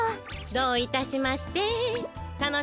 どういたしまして。